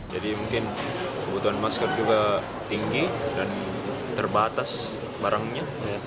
jadi mungkin kebutuhan masker juga tinggi dan terbatas barangnya